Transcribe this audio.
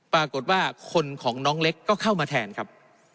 ปรากฏว่าคนของน้องเล็กก็เข้ามาแทนครับ